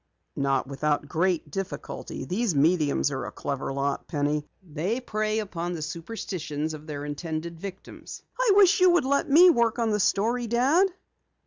"Not without great difficulty. These mediums are a clever lot, Penny. They prey upon the superstitions of their intended victims." "I wish you would let me work on the story, Dad."